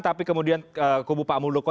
tapi kemudian kubu pak muldoko